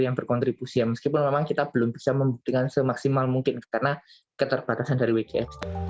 yang berkontribusi ya meskipun memang kita belum bisa membuktikan semaksimal mungkin karena keterbatasan dari wgx